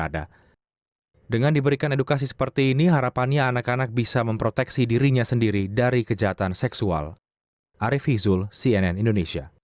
jangan lupa untuk berlangganan dan berlangganan